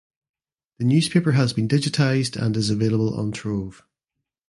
The newspaper has been digitised and is available on Trove.